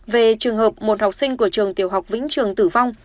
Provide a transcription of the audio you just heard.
về trường hợp một học sinh của trường tiểu học vĩnh trường tử vong